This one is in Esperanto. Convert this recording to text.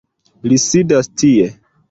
Li sidas tie